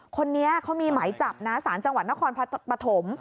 คนนี้เขามีหมายจับนะสารจังหวัดนครปฐม